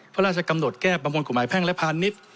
พระราชกำหนดแก้ประมวลกฎหมายแพ่งและพาณิชย์